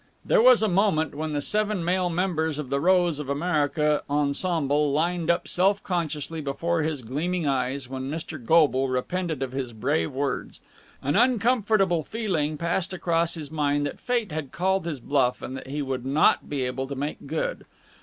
There was a moment, when the seven male members of "The Rose of America" ensemble lined up self consciously before his gleaming eyes, when Mr. Goble repented of his brave words. An uncomfortable feeling passed across his mind that Fate had called his bluff and that he would not be able to make good.